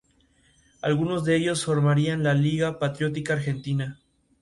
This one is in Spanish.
Patricia Vaca Narvaja, Gabriela Cerruti, o Ana Corradi.